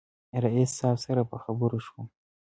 رئیس صاحب سره په خبرو شوم.